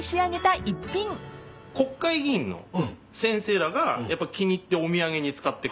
国会議員の先生らがやっぱ気に入ってお土産に使ってくれたり。